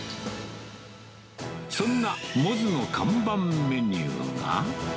そんな百舌の看板メニューが。